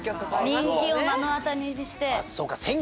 人気を目の当たりにして。